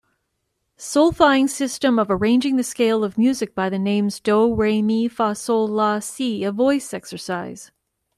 Solfaing system of arranging the scale of music by the names do, re, mi, fa, sol, la, si a voice exercise.